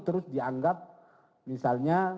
terus dianggap misalnya